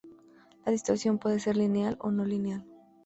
La distorsión puede ser "lineal" o "no lineal".